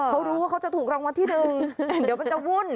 เขารู้ว่าเขาจะถูกรางวัลที่หนึ่งเดี๋ยวมันจะวุ่น